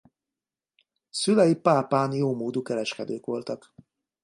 Szülei Pápán jómódú kereskedők voltak.